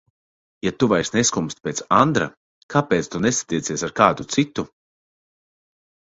Ja tu vairs neskumsti pēc Andra, kāpēc tu nesatiecies ar kādu citu?